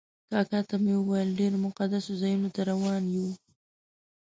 کاکا ته مې وویل ډېرو مقدسو ځایونو ته روان یو.